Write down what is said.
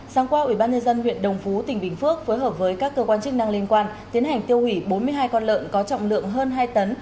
sáng qua ubnd huyện đồng phú tỉnh bình phước phối hợp với các cơ quan chức năng liên quan tiến hành tiêu hủy bốn mươi hai con lợn có trọng lượng hơn hai tấn